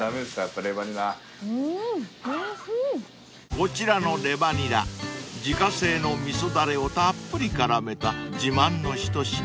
［こちらのレバニラ自家製の味噌だれをたっぷり絡めた自慢の一品］